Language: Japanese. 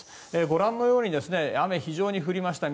ご覧のように雨、非常に降りました